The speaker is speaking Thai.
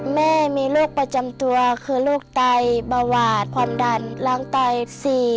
แม่มีโรคประจำตัวคือโรคไตเบาหวาดความดันล้างไต๔